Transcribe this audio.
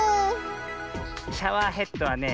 シャワーヘッドはねえ